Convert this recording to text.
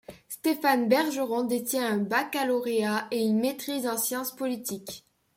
Stéphane Bergeron détient un baccalauréat et une maîtrise en science politique.